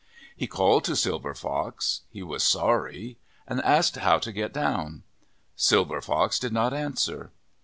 He called to Silver Fox he was sorry, and asked how to get down. Silver Fox did not answer.